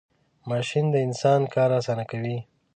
ماشین د انسان کار آسانه کوي .